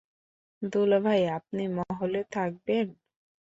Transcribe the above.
দুলাভাই, আপনি মহলে থাকবেন?